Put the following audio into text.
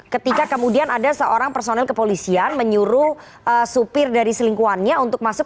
ketika kemudian ada seorang personel kepolisian menyuruh supir dari selingkuhannya untuk masuk